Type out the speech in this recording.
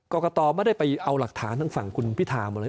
กรกตไม่ได้ไปเอาหลักฐานทางฝั่งคุณพิธามาเลย